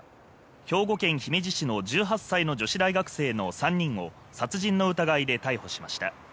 兵庫県姫路市の１８歳の女子大学生の３人を殺人の疑いで逮捕しました。